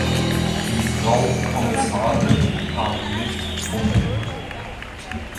Die Frau Kommissarin kam nicht umhin.